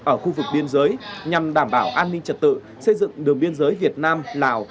ở khu vực biên giới nhằm đảm bảo an ninh trật tự xây dựng đường biên giới việt nam lào